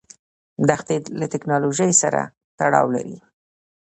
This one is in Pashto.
دښتې له تکنالوژۍ سره تړاو لري.